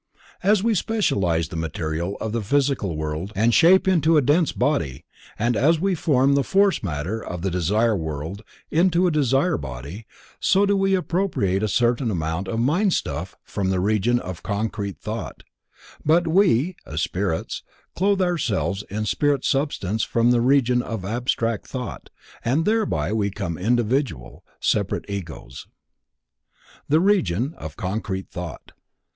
As we specialize the material of the Physical World and shape into a dense body, and as we form the force matter of the Desire World into a desire body, so do we appropriate a certain amount of mindstuff from the Region of concrete Thought; but we, as spirits, clothe ourselves in spirit substance from the Region of abstract Thought and thereby we become individual, separate Egos. _The Region of Concrete Thought.